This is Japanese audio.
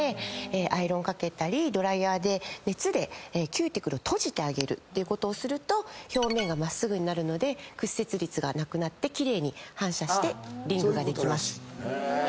アイロンかけたりドライヤーで熱でキューティクルを閉じてあげるということをすると表面が真っすぐになるので屈折率がなくなって奇麗に反射してリングができます。